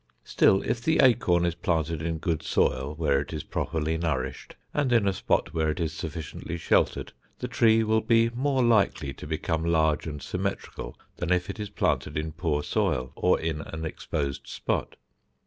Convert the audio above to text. Still if the acorn is planted in good soil, where it is properly nourished and in a spot where it is sufficiently sheltered, the tree will be more likely to become large and symmetrical, than if it is planted in poor soil or in an exposed spot.